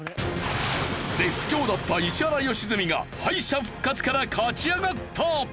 絶不調だった石原良純が敗者復活から勝ち上がった！